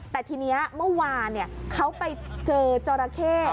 แต่ทีนี้เมื่อวานเขาไปเจอจราเข้